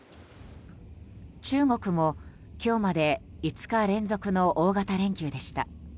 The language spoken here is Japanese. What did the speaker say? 中国も今日まで５日連続の大型連休でした。